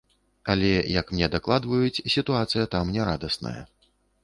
Але, як мне дакладваюць, сітуацыя там нярадасная.